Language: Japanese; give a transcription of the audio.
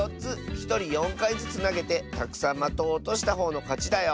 ひとり４かいずつなげてたくさんまとをおとしたほうのかちだよ！